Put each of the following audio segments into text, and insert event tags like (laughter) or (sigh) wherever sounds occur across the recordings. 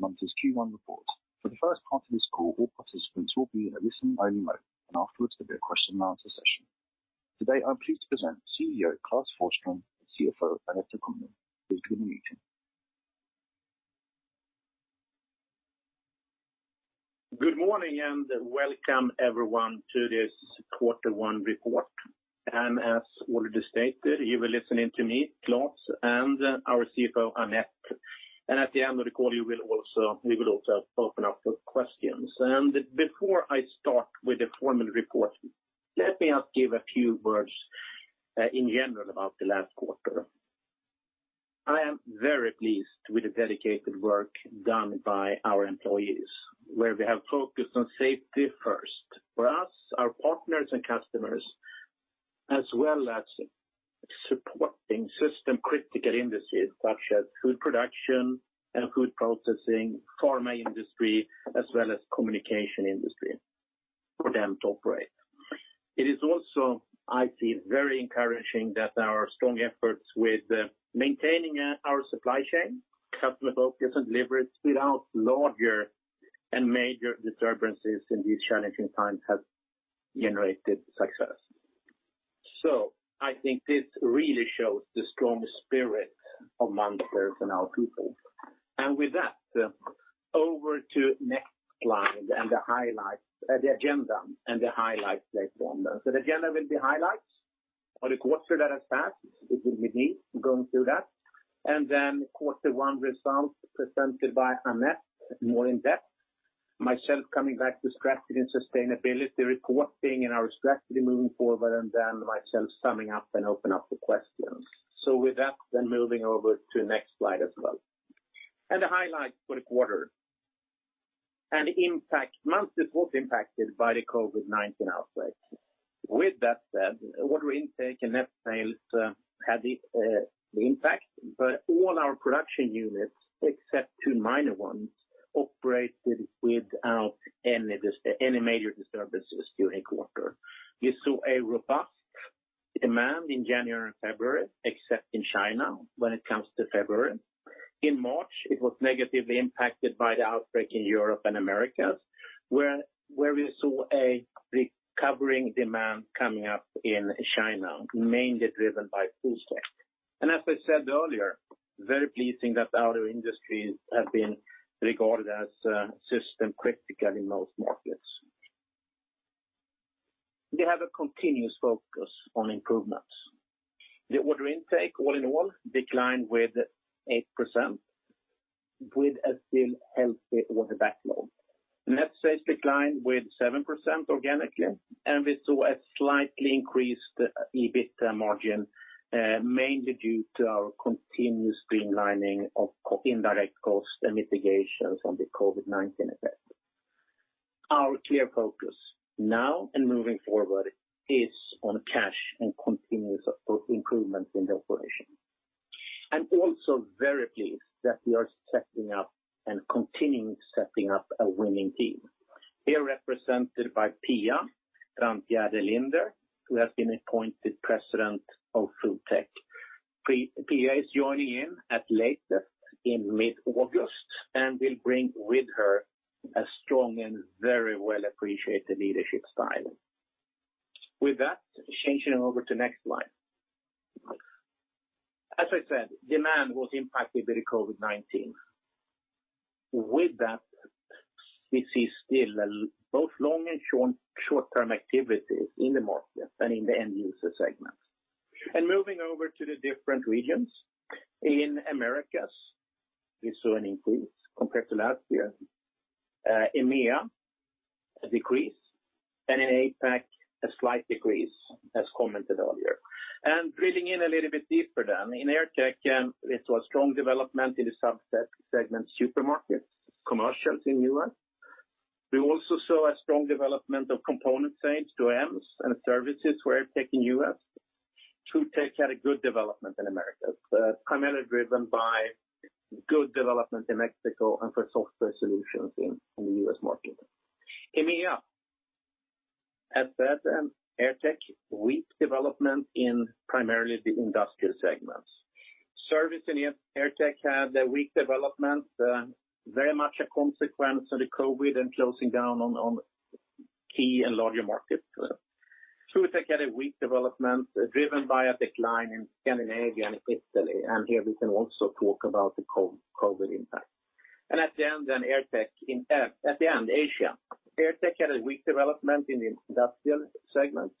Welcome to the Munters Q1 report. For the first part of this call, all participants will be in a listen-only mode, and afterwards there'll be a question-and-answer session. Today, I'm pleased to present CEO Klas Forsström and CFO Annette Kumlien. Please join the meeting. Good morning and welcome everyone to this quarter one report. As already stated, you will be listening to me, Klas, and our CFO, Annette. At the end, recall you will also open up for questions. Before I start with the formal report, let me just give a few words in general about the last quarter. I am very pleased with the dedicated work done by our employees, where we have focused on safety first for us, our partners, and customers, as well as supporting system-critical industries such as food production and food processing, pharma industry, as well as the communication industry for them to operate. It is also, I see, very encouraging that our strong efforts with maintaining our supply chain, customer focus, and delivery without larger and major disturbances in these challenging times have generated success. So I think this really shows the strong spirit of Munters and our people, and with that, over to the next slide and the agenda and the highlights later on, so the agenda will be highlights for the quarter that has passed. It will be me going through that, and then Quarter One results presented by Annette more in depth, myself coming back to strategy and sustainability reporting and our strategy moving forward, and then myself summing up and opening up for questions, so with that, then moving over to the next slide as well, and the highlights for the quarter and the impact Munters was impacted by the COVID-19 outbreak. With that said, what we're intaking next page had the impact, but all our production units, except two minor ones, operated without any major disturbances during the quarter. We saw a robust demand in January and February, except in China when it comes to February. In March, it was negatively impacted by the outbreak in Europe and America, where we saw a recovering demand coming up in China, mainly driven by FoodTech, and as I said earlier, very pleasing that our industries have been regarded as system-critical in most markets. They have a continuous focus on improvements. The order intake, all in all, declined with 8%, with a still healthy order backlog. Net sales declined with 7% organically, and we saw a slightly increased EBITDA margin, mainly due to our continuous streamlining of indirect costs and mitigations on the COVID-19 effect. Our clear focus now and moving forward is on cash and continuous improvements in the operation. I'm also very pleased that we are setting up and continuing setting up a winning team, here represented by Pia Brantgärde Linder, who has been appointed president of FoodTech. Pia is joining in at latest in mid-August and will bring with her a strong and very well-appreciated leadership style. With that, changing over to the next slide. As I said, demand was impacted by the COVID-19. With that, we see still both long and short-term activities in the market and in the end-user segment. And moving over to the different regions, in Americas, we saw an increase compared to last year. In MEA, a decrease, and in APAC, a slight decrease, as commented earlier. And drilling in a little bit deeper then, in AirTech, we saw a strong development in the sub-segment supermarkets, commercials in the US. We also saw a strong development of component sales to OEMs and services for AirTech in the U.S. FoodTech had a good development in Americas, primarily driven by good development in Mexico and for software solutions in the U.S. market. In MEA, as said, AirTech weak development in primarily the industrial segments. Service in AirTech had a weak development, very much a consequence of the COVID and closing down on key and larger markets. FoodTech had a weak development driven by a decline in Scandinavia and Italy, and here we can also talk about the COVID impact. And at the end, then AirTech in Asia. AirTech had a weak development in the industrial segments.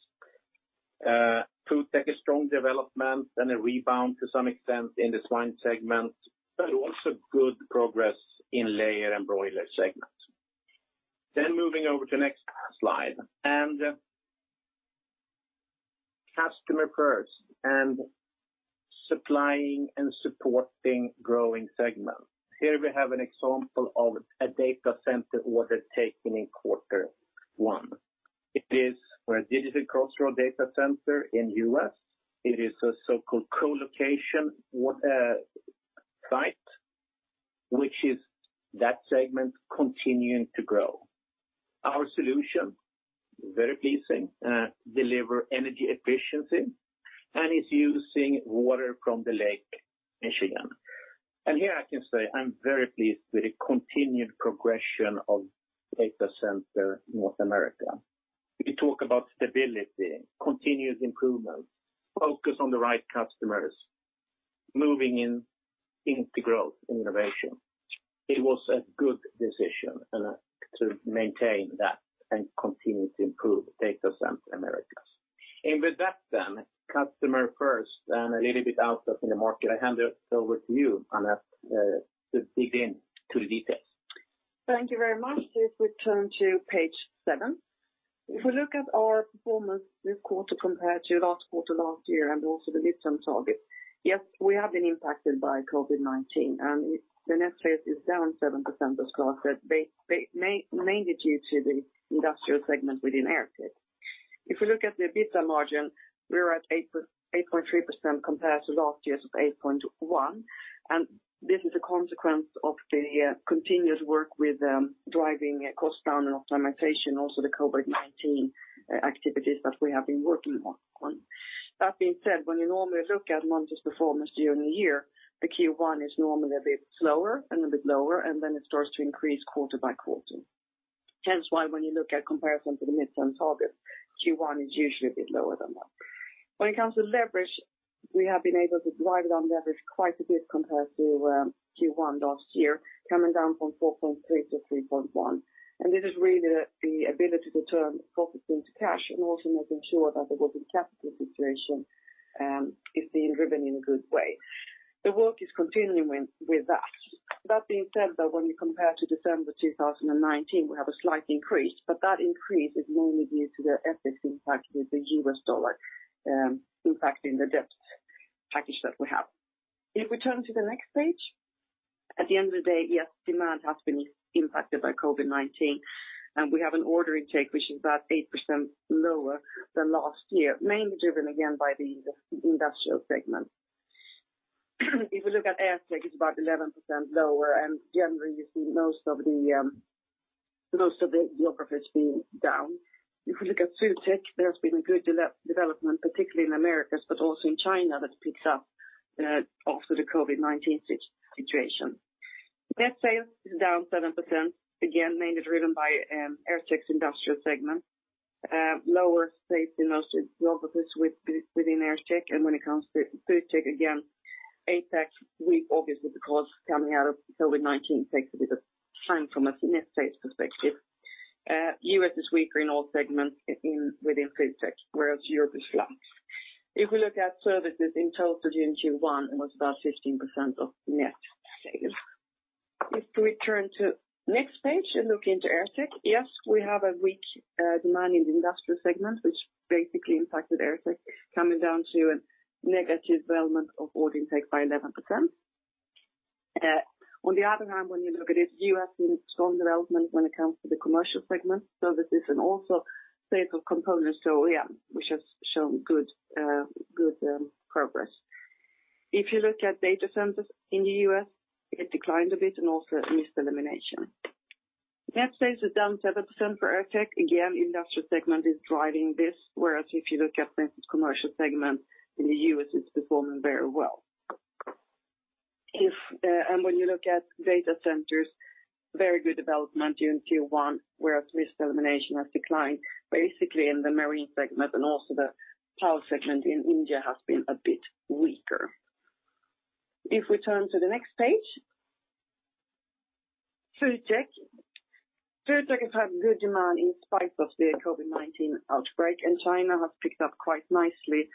FoodTech a strong development and a rebound to some extent in the swine segment, but also good progress in layer and broiler segments. Then moving over to the next slide. And customer first and supplying and supporting growing segments. Here we have an example of a data center order taken in quarter one. It is a Digital Crossroad data center in the U.S. It is a so-called co-location site, which is that segment continuing to grow. Our solution, very pleasing, delivers energy efficiency and is using water from the Lake Michigan, and here I can say I'm very pleased with the continued progression of data center North America. We talk about stability, continuous improvement, focus on the right customers, moving into growth and innovation. It was a good decision to maintain that and continue to improve data center Americas, and with that then, customer first and a little bit out of the market, I hand it over to you, Annette, to dig in to the details. Thank you very much. Let's return to page seven. If we look at our performance this quarter compared to last quarter, last year, and also the midterm target, yes, we have been impacted by COVID-19, and the net sales is down 7%, as Klas said, mainly due to the industrial segment within AirTech. If we look at the EBITDA margin, we're at 8.3% compared to last year's 8.1%, and this is a consequence of the continued work with driving costs down and optimization, also the COVID-19 activities that we have been working on. That being said, when you normally look at Munters' performance during the year, the Q1 is normally a bit slower and a bit lower, and then it starts to increase quarter by quarter. Hence why, when you look at comparison to the midterm target, Q1 is usually a bit lower than that. When it comes to leverage, we have been able to drive down leverage quite a bit compared to Q1 last year, coming down from 4.3% to 3.1%, and this is really the ability to turn profits into cash and also making sure that the working capital situation is being driven in a good way. The work is continuing with that. That being said, though, when you compare to December 2019, we have a slight increase, but that increase is mainly due to the FX impact with the U.S. dollar impacting the debt package that we have. If we turn to the next page, at the end of the day, yes, demand has been impacted by COVID-19, and we have an order intake, which is about eight% lower than last year, mainly driven again by the industrial segment. If we look at AirTech, it's about 11% lower, and generally, you see most of the geographies have been down. If we look at FoodTech, there's been a good development, particularly in Americas, but also in China that picks up after the COVID-19 situation. Net sales is down 7%, again, mainly driven by AirTech's industrial segment. Lower sales in most geographies within AirTech, and when it comes to FoodTech, again, APAC, obviously, because coming out of COVID-19 takes a bit of time from a net sales perspective. U.S. is weaker in all segments within FoodTech, whereas Europe is flat. If we look at services in total during Q1, it was about 15% of net sales. If we turn to the next page and look into AirTech, yes, we have a weak demand in the industrial segment, which basically impacted AirTech, coming down to a negative development of order intake by 11%. On the other hand, when you look at it, U.S. in strong development when it comes to the commercial segment, services, and also sales of components to OEM, which has shown good progress. If you look at data centers in the U.S., it declined a bit and also mist elimination. Net sales is down 7% for AirTech. Again, the industrial segment is driving this, whereas if you look at, for instance, the commercial segment in the U.S., it's performing very well, and when you look at data centers, very good development during Q1, whereas mist elimination has declined. Basically, in the marine segment and also the power segment in India has been a bit weaker. If we turn to the next page, FoodTech. FoodTech has had good demand in spite of the COVID-19 outbreak, and China has picked up quite nicely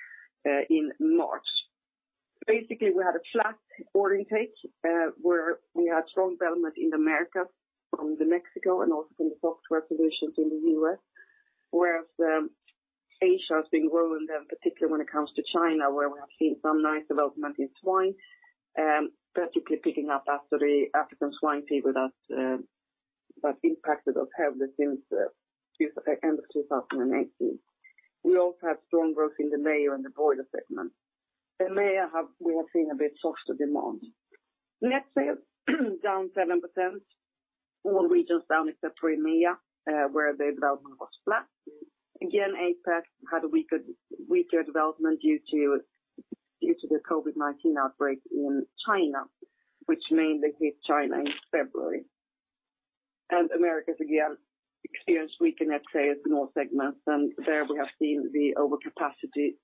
in March. Basically, we had a flat order intake, where we had strong development in the Americas from Mexico and also from the software solutions in the U.S., whereas Asia has been growing, particularly when it comes to China, where we have seen some nice development in swine, particularly picking up after the African swine fever that impacted us heavily since the end of 2018. We also had strong growth in the layer and the broiler segment. In MEA, we have seen a bit softer demand. Net sales down 7%. All regions down except for MEA, where the development was flat. Again, APAC had a weaker development due to the COVID-19 outbreak in China, which mainly hit China in February, and Americas, again, experienced weaker net sales in all segments, and there we have seen the overcapacity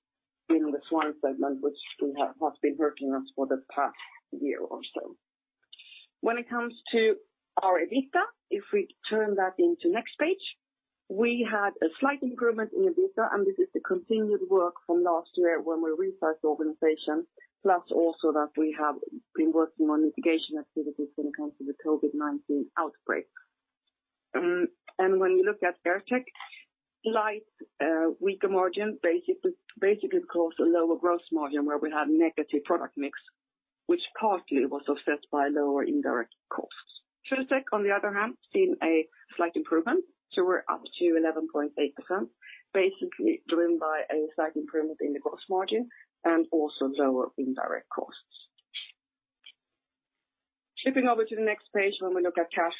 in the swine segment, which has been hurting us for the past year or so. When it comes to our EBITDA, if we turn that into the next page, we had a slight improvement in EBITDA, and this is the continued work from last year when we resized the organization, plus also that we have been working on mitigation activities when it comes to the COVID-19 outbreak, and when you look at AirTech, slight weaker margin, basically because of a lower gross margin where we had negative product mix, which partly was offset by lower indirect costs. FoodTech, on the other hand, seen a slight improvement, so we're up to 11.8%, basically driven by a slight improvement in the gross margin and also lower indirect costs. Flipping over to the next page, when we look at cash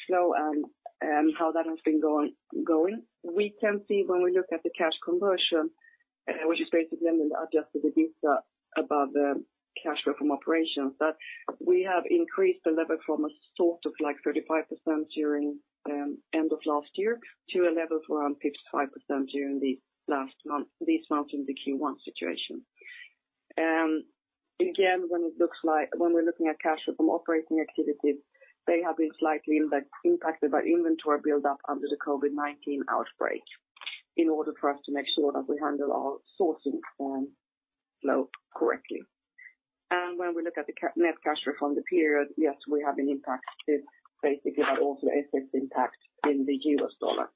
flow and how that has been going, we can see when we look at the cash conversion, which is basically adjusted EBITDA above the cash flow from operations, that we have increased the level from a sort of like 35% during the end of last year to a level of around 55% during these months in the Q1 situation. Again, when we're looking at cash flow from operating activities, they have been slightly impacted by inventory build-up under the COVID-19 outbreak in order for us to make sure that we handle our sourcing flow correctly. When we look at the net cash flow from the period, yes, we have been impacted, basically, but also the FX impact in the U.S. dollar.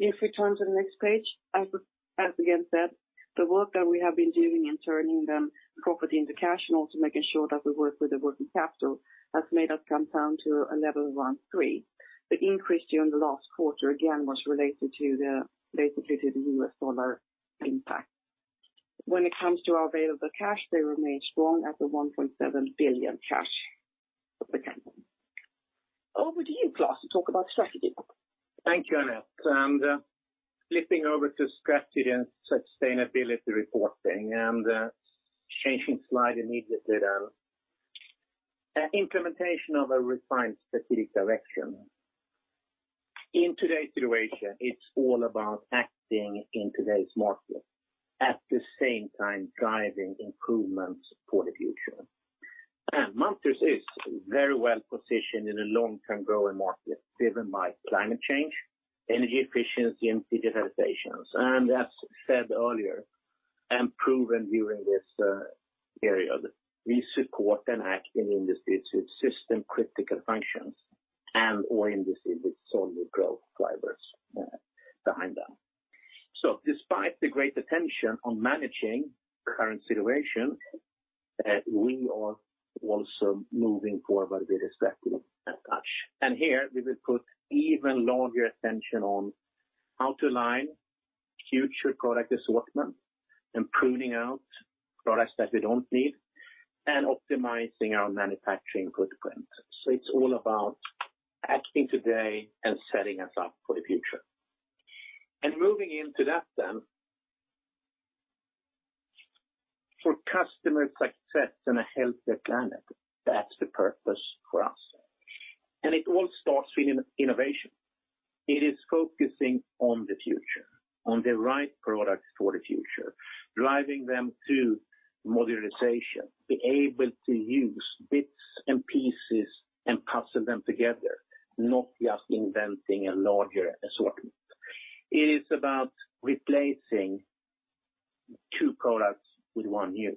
If we turn to the next page, as again said, the work that we have been doing in turning the property into cash and also making sure that we work with the working capital has made us come down to a level around 3. The increase during the last quarter, again, was related to basically to the U.S. dollar impact. When it comes to our available cash, they remain strong at the 1.7 billion cash of the company. Over to you, Klas, to talk about strategy. Thank you, Annette. And flipping over to strategy and sustainability reporting, and changing slide immediately then, implementation of a refined strategic direction. In today's situation, it's all about acting in today's market, at the same time driving improvements for the future. And Munters is very well positioned in a long-term growing market driven by climate change, energy efficiency, and digitalization. And as said earlier and proven during this period, we support and act in industries with system-critical functions and/or industries with solid growth drivers behind them. So despite the great attention on managing the current situation, we are also moving forward with respect to that. And here we will put even larger attention on how to align future product assortment, and pruning out products that we don't need, and optimizing our manufacturing footprint. So it's all about acting today and setting us up for the future. Moving into that then, for customer success and a healthier planet, that's the purpose for us. It all starts with innovation. It is focusing on the future, on the right products for the future, driving them to modernization, be able to use bits and pieces and puzzle them together, not just inventing a larger assortment. It is about replacing two products with one new,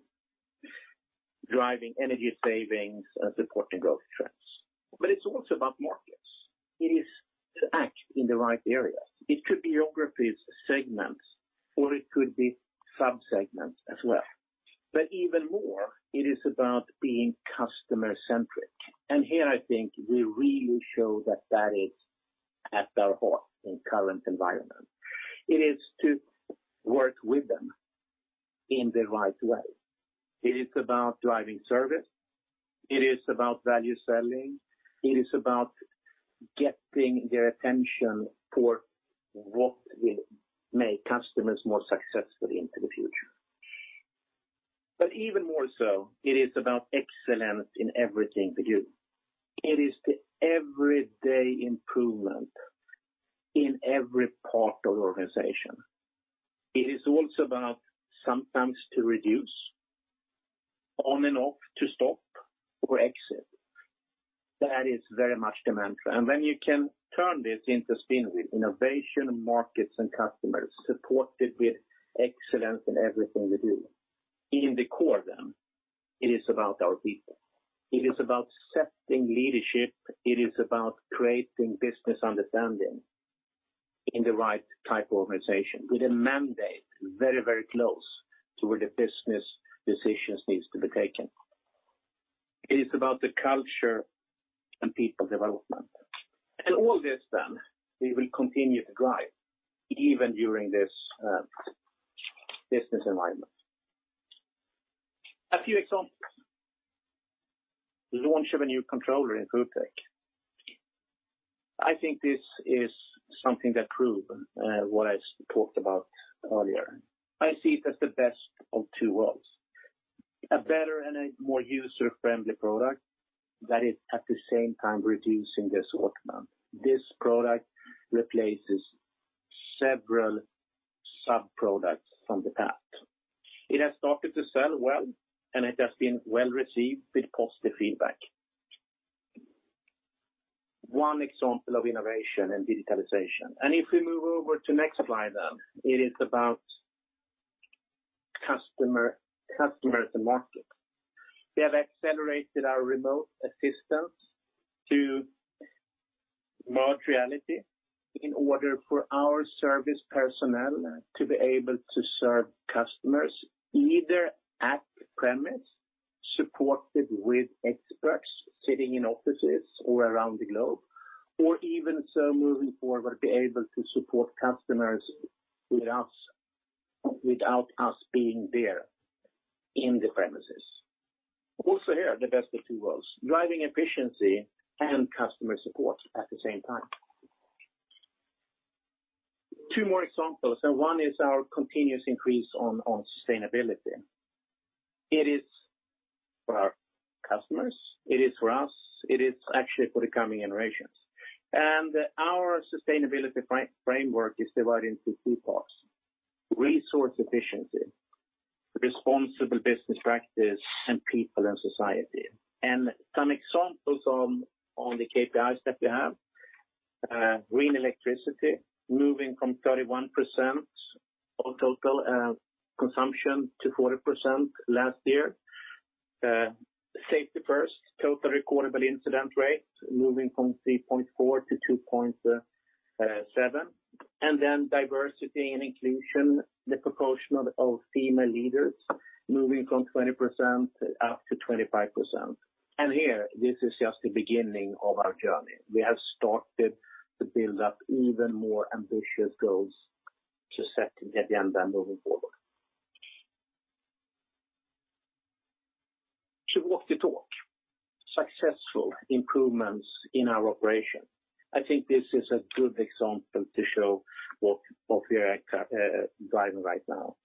driving energy savings and supporting growth trends. It's also about markets. It is to act in the right areas. It could be geographies, segments, or it could be sub-segments as well. Even more, it is about being customer-centric. Here, I think, we really show that that is at our heart in the current environment. It is to work with them in the right way. It is about driving service. It is about value selling. It is about getting their attention for what will make customers more successful into the future. But even more so, it is about excellence in everything we do. It is the everyday improvement in every part of the organization. It is also about sometimes to reduce, on and off, to stop, or exit. That is very much the mantra. And then you can turn this into a spin wheel: innovation, markets, and customers, supported with excellence in everything we do. In the core then, it is about our people. It is about setting leadership. It is about creating business understanding in the right type of organization, with a mandate very, very close to where the business decisions need to be taken. It is about the culture and people development. And all this then, we will continue to drive even during this business environment. A few examples: launch of a new controller in FoodTech. I think this is something that proves what I talked about earlier. I see it as the best of two worlds: a better and a more user-friendly product that is, at the same time, reducing the assortment. This product replaces several sub-products from the past. It has started to sell well, and it has been well received with positive feedback. One example of innovation and digitalization, and if we move over to the next slide then, it is about customers and market. We have accelerated our remote assistance to virtual reality in order for our service personnel to be able to serve customers either at premises, supported with experts sitting in offices or around the globe, or even so, moving forward, be able to support customers without us being there in the premises. Also here, the best of two worlds: driving efficiency and customer support at the same time. Two more examples. One is our continuous increase on sustainability. It is for our customers. It is for us. It is actually for the coming generations, and our sustainability framework is divided into two parts: resource efficiency, responsible business practice, and people and society, and some examples on the KPIs that we have: green electricity, moving from 31% of total consumption to 40% last year, safety first, Total Recordable Incident Rate, moving from 3.4 to 2.7, and then diversity and inclusion, the proportion of female leaders, moving from 20% up to 25%, and here, this is just the beginning of our journey. We have started to build up even more ambitious goals to set the agenda moving forward, to walk the talk, successful improvements in our operation. I think this is a good example to show what we are driving right now.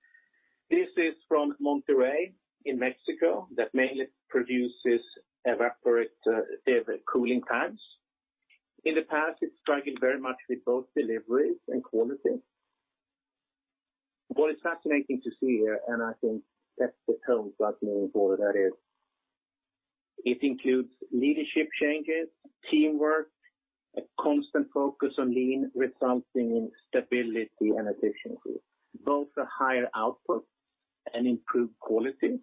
This is from Monterrey in Mexico that mainly produces evaporative cooling tanks. In the past, it struggled very much with both deliveries and quality. What is fascinating to see here, and I think that's the tone that's moving forward, that is, it includes leadership changes, teamwork, a constant focus on Lean, resulting in stability and efficiency, both for higher output and improved quality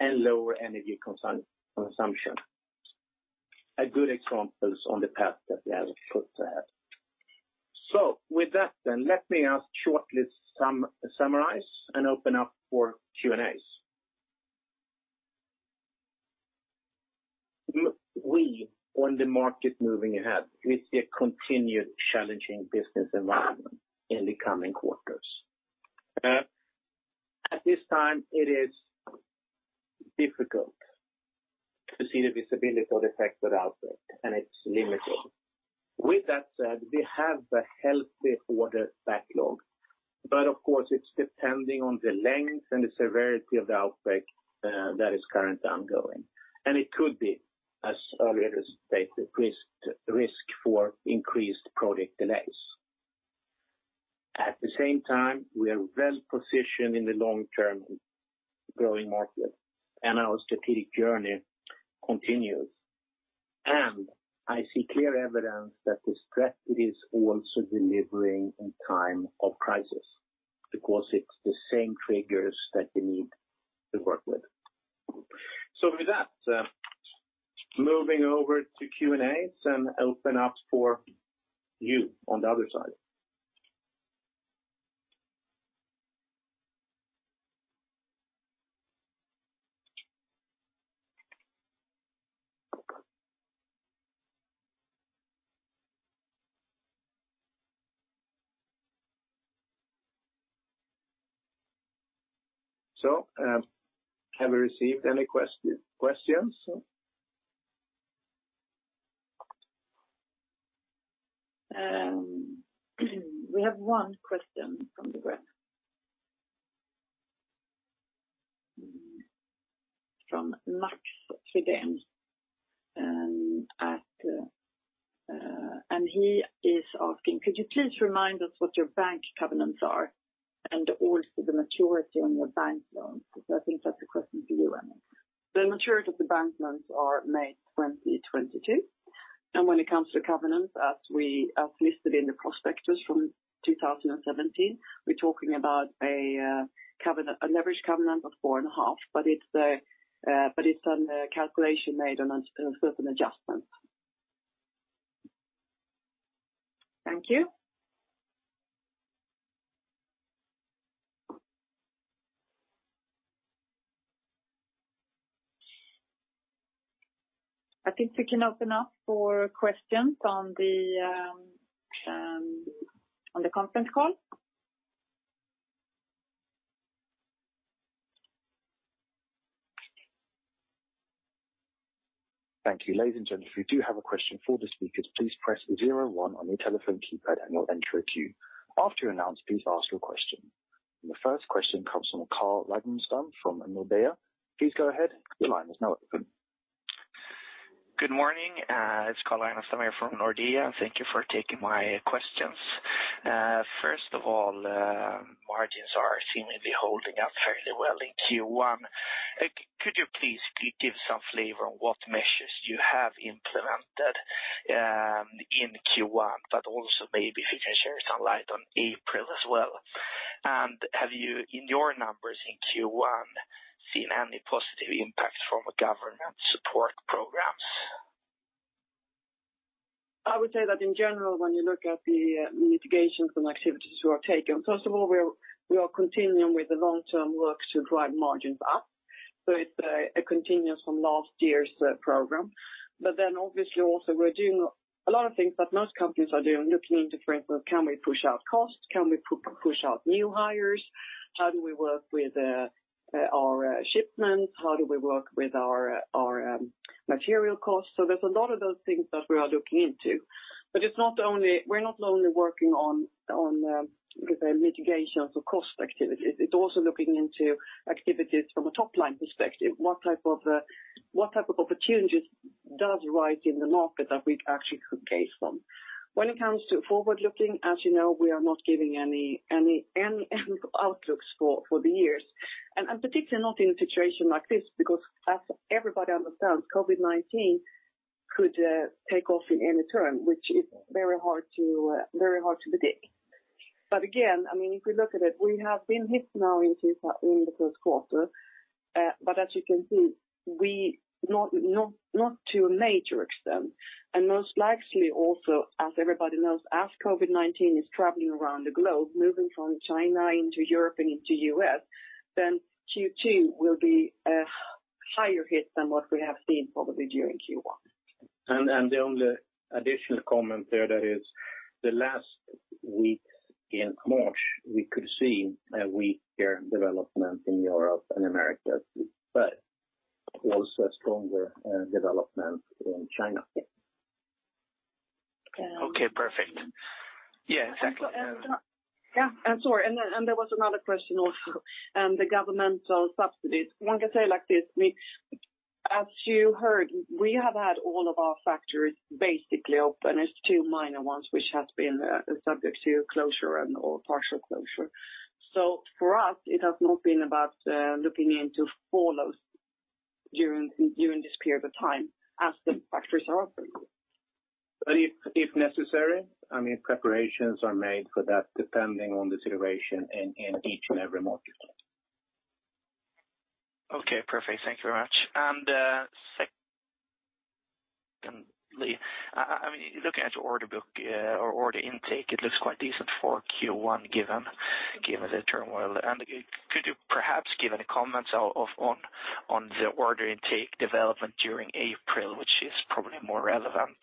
and lower energy consumption. A good example is on the path that we have put ahead. So with that then, let me shortly summarize and open up for Q&As. We, on the market moving ahead, we see a continued challenging business environment in the coming quarters. At this time, it is difficult to see the visibility of the effects of the outbreak, and it's limited. With that said, we have a healthy order backlog. But of course, it's depending on the length and the severity of the outbreak that is currently ongoing. And it could be, as earlier stated, risk for increased project delays. At the same time, we are well positioned in the long-term growing market, and our strategic journey continues. And I see clear evidence that the strategy is also delivering in time of crisis because it's the same triggers that we need to work with. So with that, moving over to Q&As and open up for you on the other side. So have we received any questions? We have one question from the group, from Mats Liss. And he is asking, "Could you please remind us what your bank covenants are and also the maturity on your bank loans?" So I think that's a question for you, Annette. The maturity of the bank loans are May 2022, and when it comes to covenants, as listed in the prospectus from 2017, we're talking about a leveraged covenant of 4.5, but it's a calculation made on a certain adjustment. Thank you. I think we can open up for questions on the conference call. Thank you. Ladies and gentlemen, if you do have a question for the speakers, please press zero one on your telephone keypad and you'll enter a queue. After you're announced, please ask your question. And the first question comes from Carl Ragnerstam from Nordea. Please go ahead. Your line is now open. Good morning. It's Carl Ragnerstam here from Nordea. Thank you for taking my questions. First of all, margins are seemingly holding up fairly well in Q1. Could you please give some flavor on what measures you have implemented in Q1, but also maybe if you can share some light on April as well? And have you, in your numbers in Q1, seen any positive impact from government support programs? I would say that in general, when you look at the mitigations and activities we have taken, first of all, we are continuing with the long-term work to drive margins up. So it's a continuation from last year's program. But then obviously also we're doing a lot of things that most companies are doing, looking into, for instance, can we push out costs? Can we push out new hires? How do we work with our shipments? How do we work with our material costs? So there's a lot of those things that we are looking into. But we're not only working on mitigations or cost activities. It's also looking into activities from a top-line perspective. What type of opportunities arise in the market that we actually could capitalize on? When it comes to forward-looking, as you know, we are not giving any outlooks for the years. And particularly not in a situation like this because, as everybody understands, COVID-19 could take off in any term, which is very hard to predict. But again, I mean, if we look at it, we have been hit now into the first quarter. But as you can see, not to a major extent. And most likely also, as everybody knows, as COVID-19 is traveling around the globe, moving from China into Europe and into the U.S., then Q2 will be a higher hit than what we have seen probably during Q1. The only additional comment there is the last week in March, we could see a weaker development in Europe and America, but also a stronger development in China. Okay, perfect. Yeah, exactly. Yeah, and sorry, and there was another question also, the governmental subsidies. One can say like this, as you heard, we have had all of our factories basically open. It's two minor ones which have been subject to closure and/or partial closure. So for us, it has not been about looking into bailouts during this period of time as the factories are open. But if necessary, I mean, preparations are made for that depending on the situation in each and every market. Okay, perfect. Thank you very much. And secondly, I mean, looking at your order book or order intake, it looks quite decent for Q1 given the turmoil. And could you perhaps give any comments on the order intake development during April, which is probably more relevant?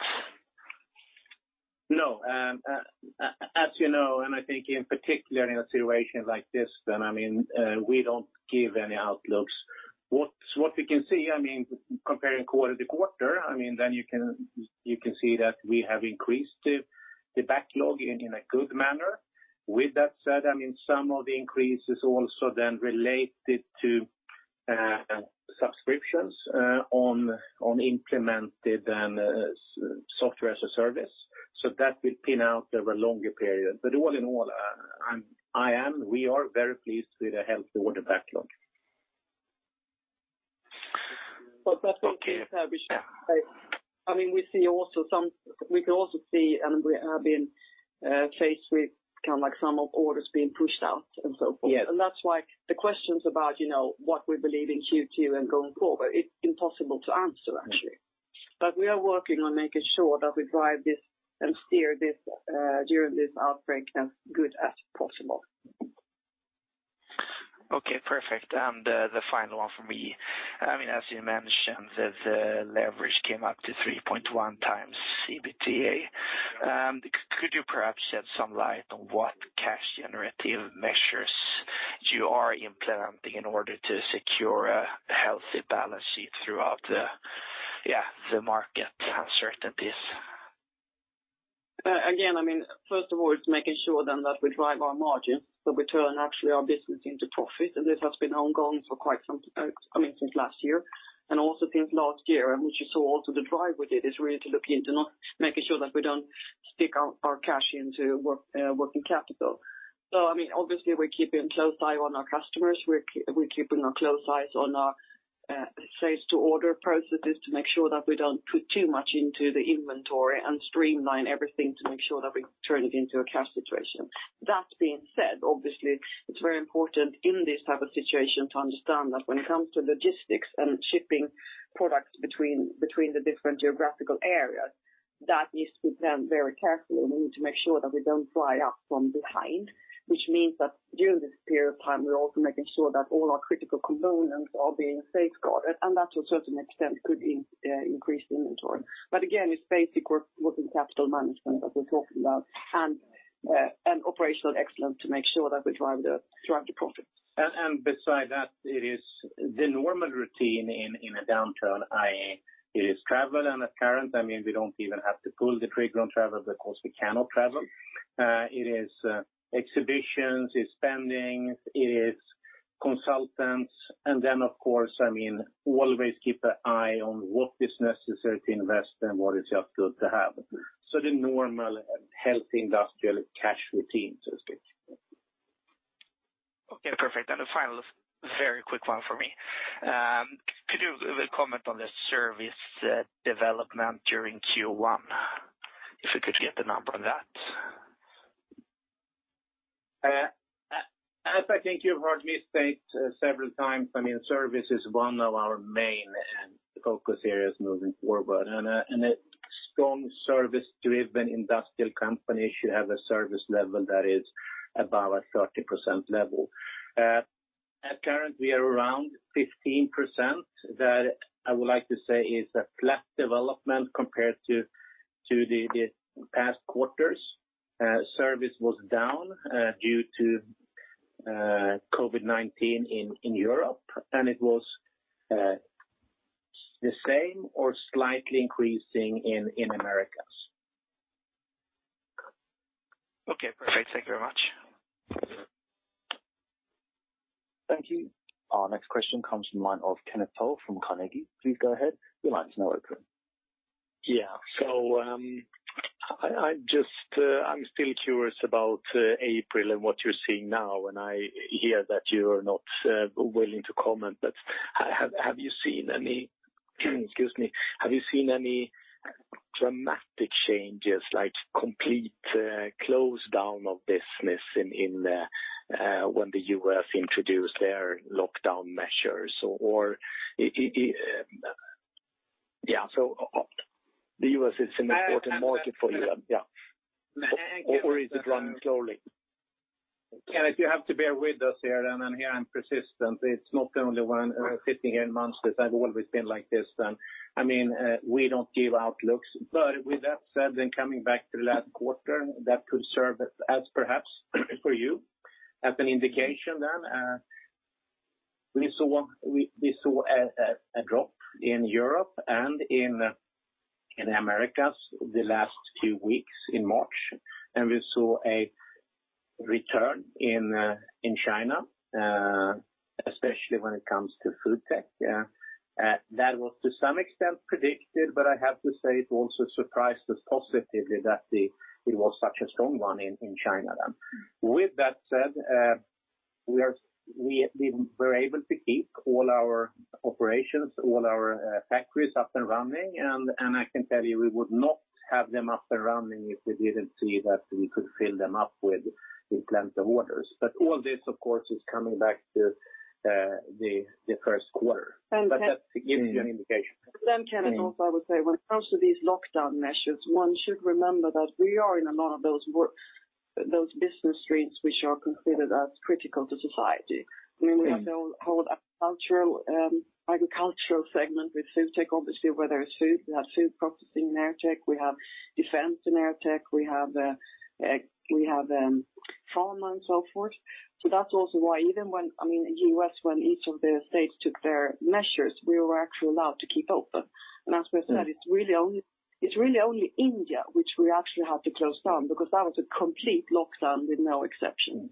No. As you know, and I think in particular in a situation like this then, I mean, we don't give any outlooks. What we can see, I mean, comparing quarter-to-quarter, I mean, then you can see that we have increased the backlog in a good manner. With that said, I mean, some of the increases also then related to subscriptions on implemented Software as a Service. So that will play out over a longer period. But all in all, I am, we are very pleased with a healthy order backlog. (crosstalk) I mean, we can also see and we have been faced with kind of like some of orders being pushed out and so forth. And that's why the questions about what we believe in Q2 and going forward, it's impossible to answer, actually. But we are working on making sure that we drive this and steer this during this outbreak as good as possible. Okay, perfect, and the final one for me. I mean, as you mentioned, the leverage came up to 3.1x EBITDA. Could you perhaps shed some light on what cash-generative measures you are implementing in order to secure a healthy balance sheet throughout, yeah, the market uncertainties? Again, I mean, first of all, it's making sure then that we drive our margins so we turn actually our business into profit. And this has been ongoing for quite some, I mean, since last year. And also since last year, which you saw also the drive we did is really to look into making sure that we don't stick our cash into working capital. So I mean, obviously, we're keeping a close eye on our customers. We're keeping a close eye on our sales-to-order processes to make sure that we don't put too much into the inventory and streamline everything to make sure that we turn it into a cash situation. That being said, obviously, it's very important in this type of situation to understand that when it comes to logistics and shipping products between the different geographical areas, that needs to be planned very carefully. We need to make sure that we don't fly up from behind, which means that during this period of time, we're also making sure that all our critical components are being safeguarded, and that to a certain extent could increase inventory, but again, it's basic working capital management that we're talking about and operational excellence to make sure that we drive the profits. And besides that, it is the normal routine in a downturn, i.e., it is travel and entertainment. I mean, we don't even have to pull the trigger on travel because we cannot travel. It is exhibitions, it's spending, it is consultants. And then, of course, I mean, always keep an eye on what is necessary to invest and what is just good to have. So the normal healthy industrial cash routine, so to speak. Okay, perfect. And the final, very quick one for me. Could you comment on the service development during Q1? If we could get the number on that. As I think you've heard me state several times, I mean, service is one of our main focus areas moving forward, and a strong service-driven industrial company should have a service level that is above a 30% level. At current, we are around 15%. That I would like to say is a flat development compared to the past quarters. Service was down due to COVID-19 in Europe, and it was the same or slightly increasing in America. Okay, perfect. Thank you very much. Thank you. Our next question comes from the line of Kenneth Toll Johansson from Carnegie. Please go ahead. Your line is now open. Yeah. So I'm still curious about April and what you're seeing now. And I hear that you are not willing to comment, but have you seen any, excuse me, have you seen any dramatic changes, like complete close down of business when the U.S. introduced their lockdown measures? Or yeah, so the U.S. is an important market for you. Yeah. Or is it running slowly? Kenneth, you have to bear with us here, and here I'm persistent. It's not the only one sitting here in Munters. I've always been like this, and I mean, we don't give outlooks, but with that said, then coming back to the last quarter, that could serve as perhaps for you as an indication then. We saw a drop in Europe and in America the last few weeks in March, and we saw a return in China, especially when it comes to FoodTech. That was to some extent predicted, but I have to say it also surprised us positively that it was such a strong one in China then. With that said, we were able to keep all our operations, all our factories up and running. And I can tell you we would not have them up and running if we didn't see that we could fill them up with plenty of orders. But all this, of course, is coming back to the first quarter. But that gives you an indication. Then Kenneth, also I would say, when it comes to these lockdown measures, one should remember that we are in a lot of those business streams which are considered as critical to society. I mean, we have the whole agricultural segment with FoodTech, obviously, where there is food. We have food processing in AirTech. We have defense in AirTech. We have pharma and so forth. So that's also why even when, I mean, in the U.S., when each of the states took their measures, we were actually allowed to keep open. And as we said, it's really only India which we actually had to close down because that was a complete lockdown with no exceptions.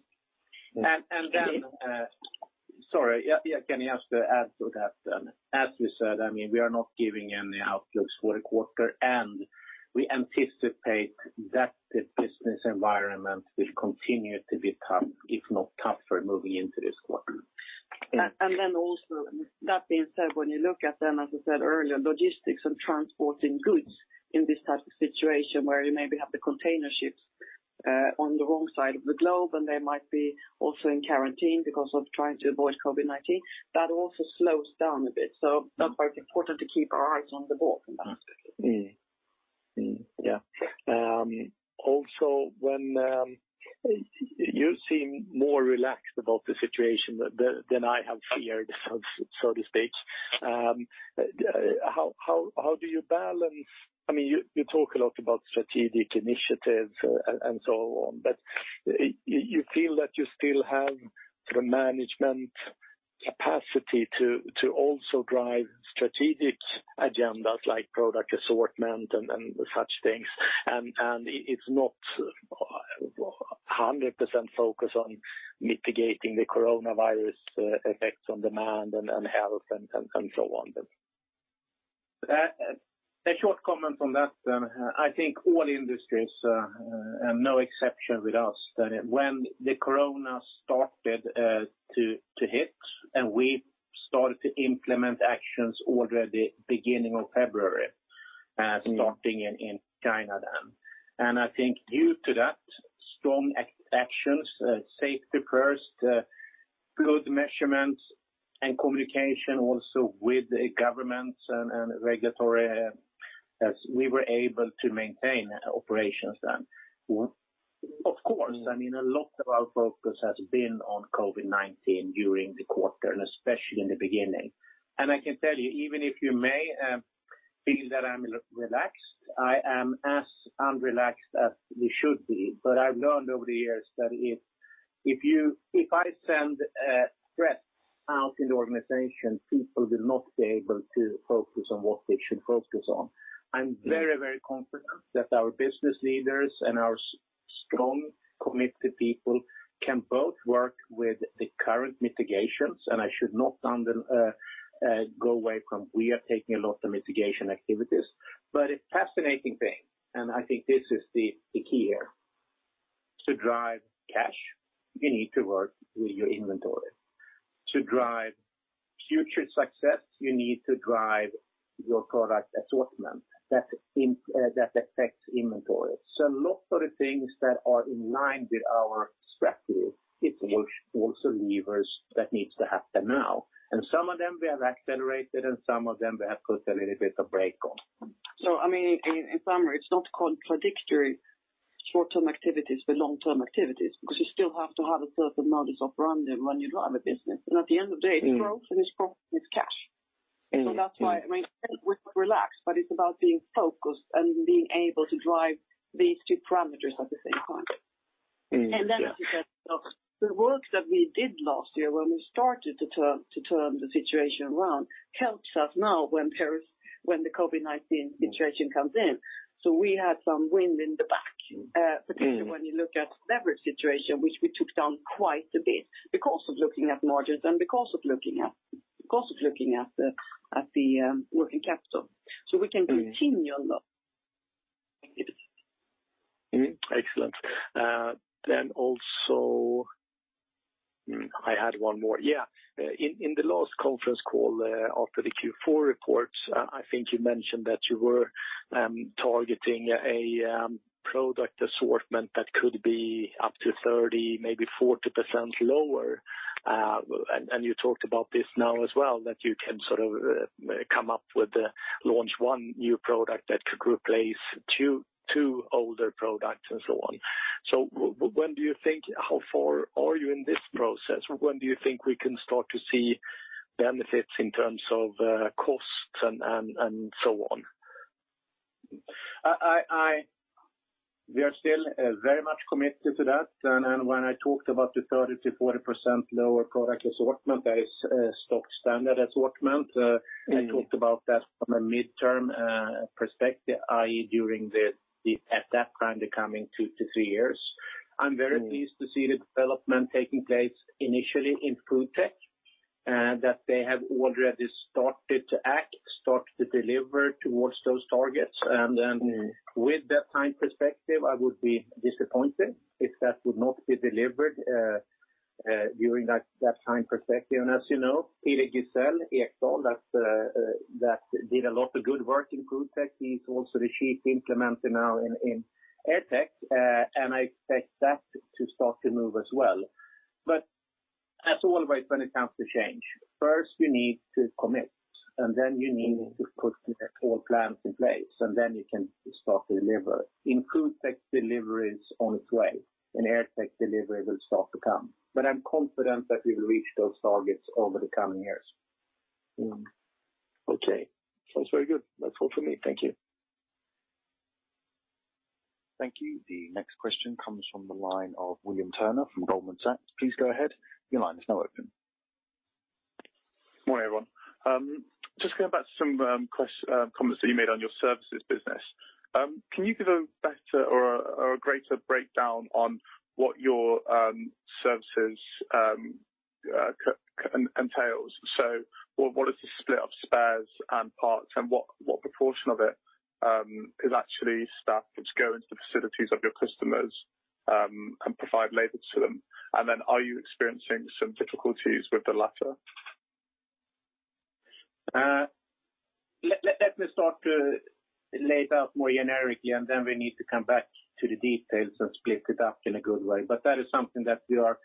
And then, sorry, yeah, can you ask to add to that then? As we said, I mean, we are not giving any outlooks for the quarter, and we anticipate that the business environment will continue to be tough, if not tougher, moving into this quarter. And then also, that being said, when you look at then, as I said earlier, logistics and transporting goods in this type of situation where you maybe have the container ships on the wrong side of the globe, and they might be also in quarantine because of trying to avoid COVID-19, that also slows down a bit. So that's why it's important to keep our eyes on the ball from that aspect. Yeah. Also, when you seem more relaxed about the situation than I have feared, so to speak, how do you balance? I mean, you talk a lot about strategic initiatives and so on, but you feel that you still have the management capacity to also drive strategic agendas like product assortment and such things, and it's not 100% focus on mitigating the coronavirus effects on demand and health and so on. A short comment on that then. I think all industries, no exception with us, that when the corona started to hit and we started to implement actions already beginning of February, starting in China then, and I think due to that strong actions, safety first, good measures, and communication also with governments and regulators as we were able to maintain operations then. Of course, I mean, a lot of our focus has been on COVID-19 during the quarter, and especially in the beginning, and I can tell you, even if you may feel that I'm relaxed, I am as unrelaxed as we should be, but I've learned over the years that if I send threats out in the organization, people will not be able to focus on what they should focus on. I'm very, very confident that our business leaders and our strong, committed people can both work with the current mitigations, and I should not go away from we are taking a lot of mitigation activities, but a fascinating thing, and I think this is the key here, to drive cash, you need to work with your inventory. To drive future success, you need to drive your product assortment that affects inventory. So, a lot of the things that are in line with our strategy, it's also levers that need to happen now, and some of them we have accelerated, and some of them we have put a little bit of a break on. So I mean, in summary, it's not contradictory short-term activities with long-term activities because you still have to have a certain modus operandi when you drive a business. And at the end of the day, it's growth, and it's profit, and it's cash. So that's why I mean, we're relaxed, but it's about being focused and being able to drive these two parameters at the same time. And then, as you said, the work that we did last year when we started to turn the situation around helps us now when the COVID-19 situation comes in. So we had some wind in the back, particularly when you look at leverage situation, which we took down quite a bit because of looking at margins and because of looking at the working capital. So we can continue on those activities. Excellent, then also, I had one more. Yeah. In the last conference call after the Q4 report, I think you mentioned that you were targeting a product assortment that could be up to 30%, maybe 40% lower, and you talked about this now as well, that you can sort of come up with launch one new product that could replace two older products and so on, so when do you think how far are you in this process? When do you think we can start to see benefits in terms of costs and so on? We are still very much committed to that, and when I talked about the 30%-40% lower product assortment, that is stock standard assortment, I talked about that from a midterm perspective, i.e., during the at that time becoming two to three years. I'm very pleased to see the development taking place initially in FoodTech, that they have already started to act, started to deliver towards those targets, and then with that time perspective, I would be disappointed if that would not be delivered during that time perspective, and as you know, Peter Gisel-Ekdahl, that did a lot of good work in FoodTech. He's also the chief implementer now in AirTech, and I expect that to start to move as well, but as always, when it comes to change, first you need to commit, and then you need to put all plans in place, and then you can start to deliver. In FoodTech, delivery is on its way. In AirTech, delivery will start to come, but I'm confident that we will reach those targets over the coming years. Okay. That's very good. That's all for me. Thank you. Thank you. The next question comes from the line of William Turner from Goldman Sachs. Please go ahead. Your line is now open. Good morning, everyone. Just going back to some comments that you made on your services business. Can you give a better or a greater breakdown on what your services entails? So what is the split of spares and parts, and what proportion of it is actually staff that go into the facilities of your customers and provide labor to them? And then are you experiencing some difficulties with the latter? Let me start to lay it out more generically, and then we need to come back to the details and split it up in a good way, but that is something that we are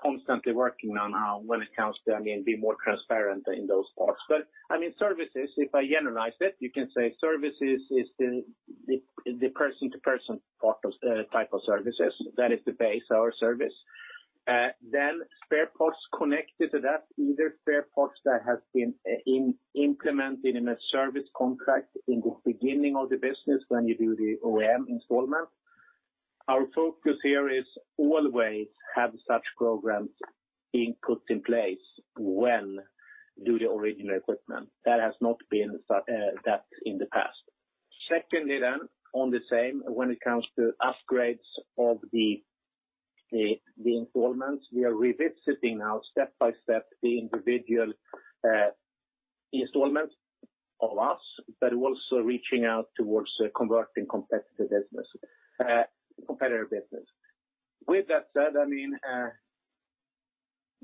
constantly working on now when it comes to, I mean, being more transparent in those parts, but I mean, services, if I generalize it, you can say services is the person-to-person type of services. That is the base of our service. Then spare parts connected to that, either spare parts that have been implemented in a service contract in the beginning of the business when you do the OEM installation. Our focus here is always have such programs being put in place when do the original equipment. That has not been that in the past. Secondly, then, on the same, when it comes to upgrades of the installations, we are revisiting now step by step the individual installation of us, but also reaching out towards converting competitive business. With that said, I mean,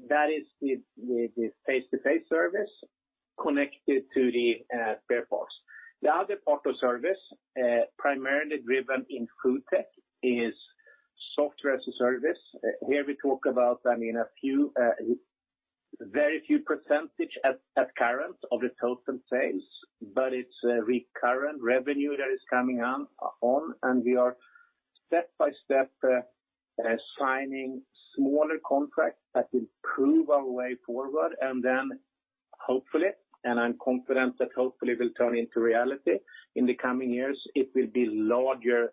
that is the face-to-face service connected to the spare parts. The other part of service, primarily driven in FoodTech, is Software as a Service. Here we talk about, I mean, a very few percentage at current of the total sales, but it's recurrent revenue that is coming on, and we are step by step signing smaller contracts that will prove our way forward, and then hopefully, and I'm confident that hopefully will turn into reality in the coming years, it will be larger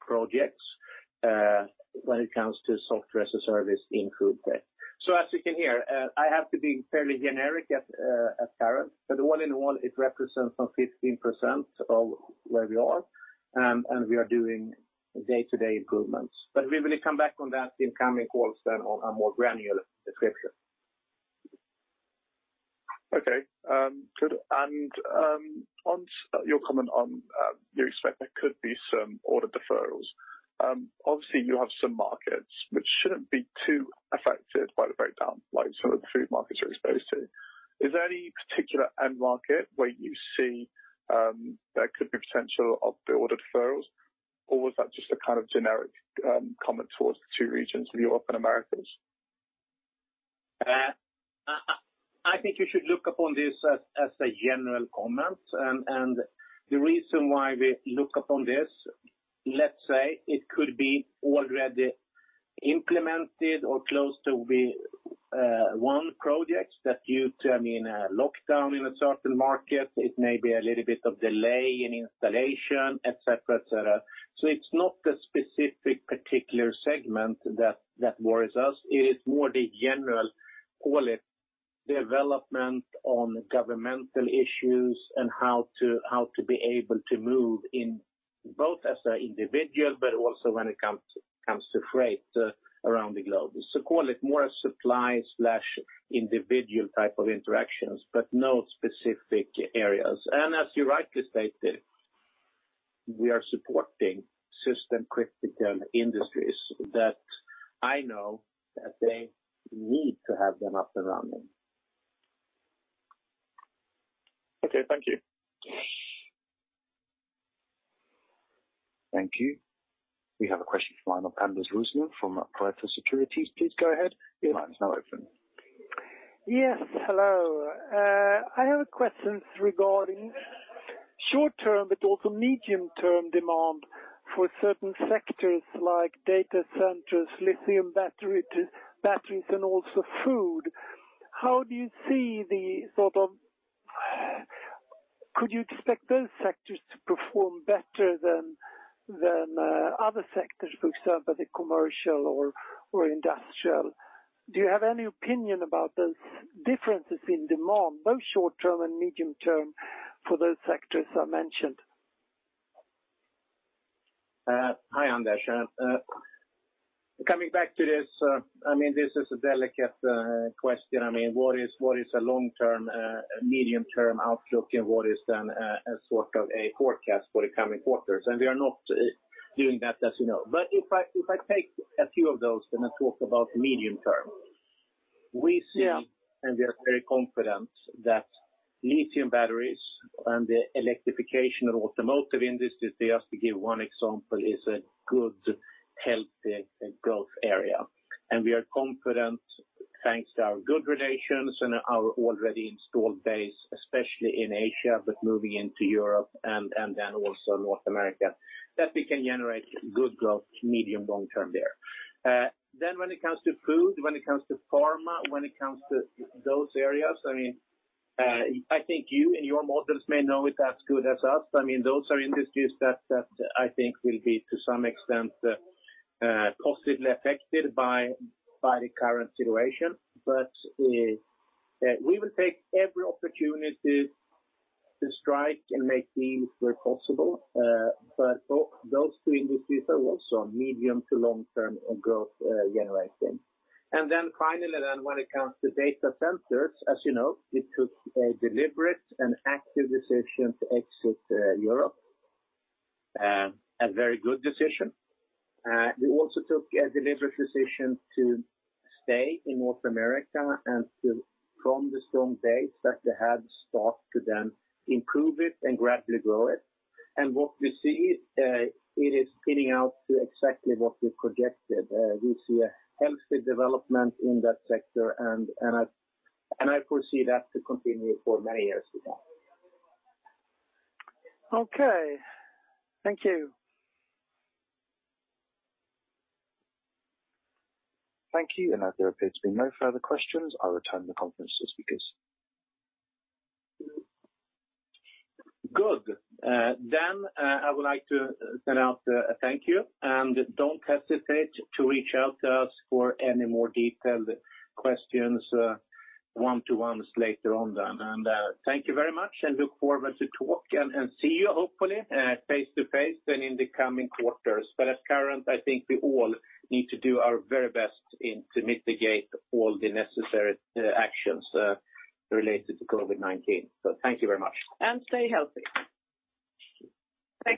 projects when it comes to Software as a Service in FoodTech. So as you can hear, I have to be fairly generic currently, but all in all, it represents some 15% of where we are, and we are doing day-to-day improvements. But we will come back on that in coming calls then on a more granular description. Okay. Good. And on your comment on you expect there could be some order deferrals. Obviously, you have some markets which shouldn't be too affected by the breakdown, like some of the food markets you're exposed to. Is there any particular end market where you see there could be potential of the order deferrals, or was that just a kind of generic comment towards the two regions of Europe and America? I think you should look upon this as a general comment. And the reason why we look upon this, let's say it could be already implemented or close to one project that you terminate lockdown in a certain market. It may be a little bit of delay in installation, etc., etc. So it's not the specific particular segment that worries us. It is more the general call it development on governmental issues and how to be able to move in both as an individual, but also when it comes to freight around the globe. So call it more a supply/individual type of interactions, but no specific areas. And as you rightly stated, we are supporting system-critical industries that I know that they need to have them up and running. Okay. Thank you. Thank you. We have a question from Anders Roslund from Pareto Securities. Please go ahead. The line is now open. Yes. Hello. I have a question regarding short-term, but also medium-term demand for certain sectors like data centers, lithium batteries, and also food. How do you see the sort of? Could you expect those sectors to perform better than other sectors, for example, the commercial or industrial? Do you have any opinion about those differences in demand, both short-term and medium-term, for those sectors I mentioned? Hi, Anders. Coming back to this, I mean, this is a delicate question. I mean, what is a long-term, medium-term outlook, and what is then a sort of a forecast for the coming quarters? And we are not doing that, as you know. But if I take a few of those and then talk about medium-term, we see, and we are very confident that lithium batteries and the electrification of the automotive industry, just to give one example, is a good, healthy growth area. And we are confident, thanks to our good relations and our already installed base, especially in Asia, but moving into Europe and then also North America, that we can generate good growth, medium, long-term there. Then, when it comes to food, when it comes to pharma, when it comes to those areas, I mean, I think you and your models may know it as good as us. I mean, those are industries that I think will be to some extent possibly affected by the current situation. But we will take every opportunity to strike and make deals where possible. But those two industries are also medium to long-term growth generating. And then finally, then when it comes to data centers, as you know, we took a deliberate and active decision to exit Europe, a very good decision. We also took a deliberate decision to stay in North America and to, from the strong base that we had, start to then improve it and gradually grow it. And what we see, it is panning out to exactly what we projected. We see a healthy development in that sector, and I foresee that to continue for many years to come. Okay. Thank you. Thank you. And I don't think there have been no further questions. I'll return the conference to speakers. Good. Then I would like to send out a thank you. And don't hesitate to reach out to us for any more detailed questions one-to-ones later on then. And thank you very much, and look forward to talking and see you, hopefully, face-to-face and in the coming quarters. But at current, I think we all need to do our very best to mitigate all the necessary actions related to COVID-19. So thank you very much. Stay healthy.